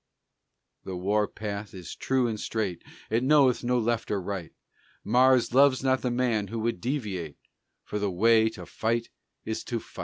The war path is true and straight, It knoweth no left or right; Mars loves not the man who would deviate, For the way to fight is to fight.